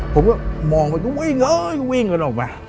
ผมก็มองวิ่งเลยวิ่งกันออกมา